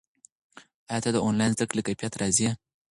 ایا ته د آنلاین زده کړې له کیفیت راضي یې؟